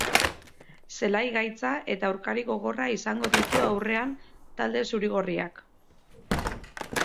Zelai gaitza eta aurkari gogorra izango ditu aurrean talde zuri-gorriak.